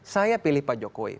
saya pilih pak jokowi